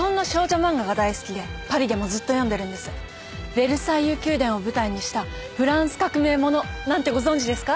ベルサイユ宮殿を舞台にしたフランス革命ものなんてご存じですか？